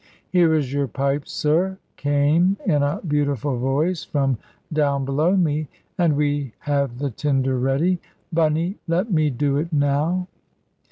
"Here is your pipe, sir," came in a beautiful voice from down below me; "and we have the tinder ready. Bunny, let me do it now."